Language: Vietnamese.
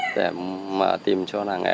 để mà tìm cho làng nghề